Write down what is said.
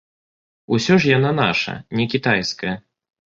Усё ж яна наша, не кітайская.